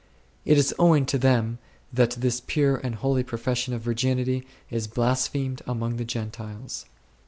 It is owing to them that this pure and holy profession of virginity is " blasphemed amongst the Gentiles 3."